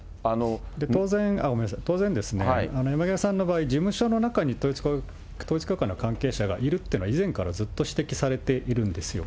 当然、山際さんの場合、事務所の中に統一教会の関係者がいるっていうのは、以前からずっと指摘されているんですよ。